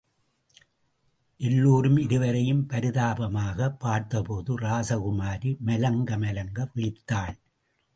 எல்லோரும் இருவரையும் பரிதாபமாகப் பார்த்தபோது ராசகுமாரி மலங்க, மலங்க விழித்தாள்.